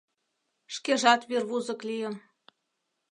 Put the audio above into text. Шкежат вӱрвузык лийын.